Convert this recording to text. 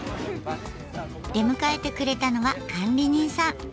出迎えてくれたのは管理人さん。